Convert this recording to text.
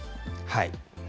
はい。